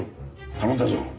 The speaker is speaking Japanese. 頼んだぞ。